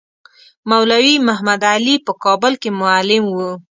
مولوی محمدعلي په کابل کې معلم وو.